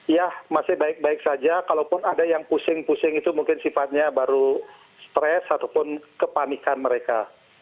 ya masih baik baik saja kalaupun ada yang pusing pusing itu mungkin sifatnya baru stres ataupun kepanikan mereka